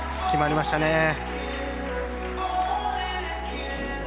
決まりましたね。